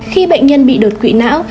khi bệnh nhân bị đột quỵ não